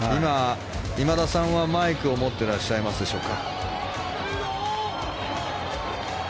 今田さんはマイクを持ってますでしょうか。